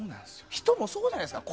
人もそうじゃないですか。